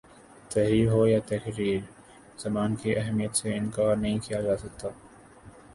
تحریر ہو یا تقریر زبان کی اہمیت سے انکار نہیں کیا جا سکتا